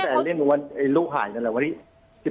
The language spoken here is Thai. ตั้งแต่ลูกหายนั่นแหละวันที่๑๗